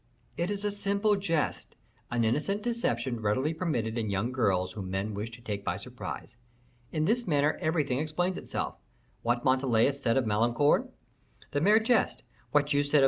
"It is a simple jest; an innocent deception readily permitted in young girls whom men wish to take by surprise. In this manner everything explains itself. What Montalais said of Malicorne, a mere jest; what you said of M.